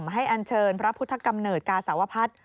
อันเชิญพระพุทธกำเนิดกาสาวพัฒน์